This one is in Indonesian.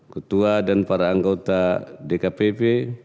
ketua dan para anggota dkpp